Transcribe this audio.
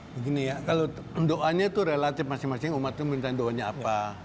begini ya kalau doanya itu relatif masing masing umat itu minta doanya apa